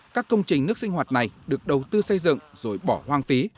các công trình nước sinh hoạt này được đầu tư xây dựng rồi bỏ hoang phí